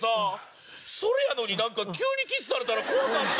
それやのになんか急にキスされたら怖かった！